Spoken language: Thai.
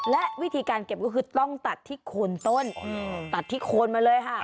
และวิธีการเก็บก็คือต้องตัดที่โคนต้นตัดที่โคนมาเลยค่ะ